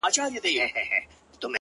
دا به چيري خيرن سي ـ